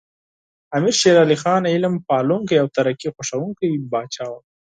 امیر شیر علی خان علم پالونکی او ترقي خوښوونکی پاچا و.